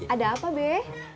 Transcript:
ada apa be